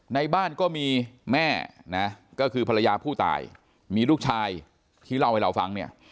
ในบ้านก็มีแม่นะก็คือภรรยาผู้ตายมีลูกชายที่เล่าให้เราฟังเนี่ย